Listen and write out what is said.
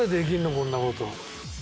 こんなこと。